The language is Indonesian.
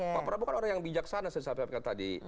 pak prabowo kan orang yang bijaksana saya sampaikan tadi